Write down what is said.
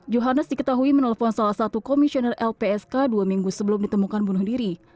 johannes diketahui menelpon salah satu komisioner lpsk dua minggu sebelum ditemukan bunuh diri